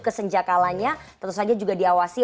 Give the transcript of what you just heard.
kesenjakalanya tentu saja juga diawasi